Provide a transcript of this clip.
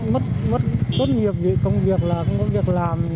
mất mất tốt nghiệp vì công việc là không có việc làm